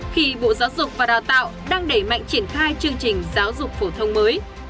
khi bộ giáo dục và đào tạo đang đẩy mạnh triển khai chương trình giáo dục phổ thông mới